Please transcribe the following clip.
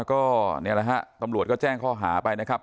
ก็นี่แหละฮะตำรวจก็แจ้งข้อหาไปนะครับ